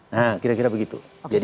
nah kira kira begitu